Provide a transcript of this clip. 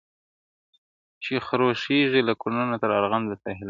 چي خروښیږي له کونړه تر ارغنده تر هلمنده-